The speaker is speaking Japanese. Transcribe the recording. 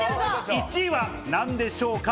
１位は何でしょうか？